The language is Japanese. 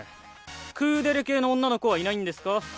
クーデレ系の女の子はいないんですか？